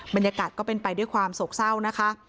บรรยากาศก็เป็นไปด้วยความโศกเศร้านะคะ